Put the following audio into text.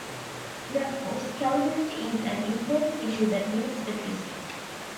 Therefore, Scalability is an important issue that needs addressing.